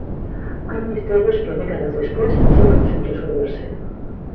Hai misterios que décadas despois seguen sen resolverse.